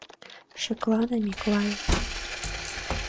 Шеклане, Миклай...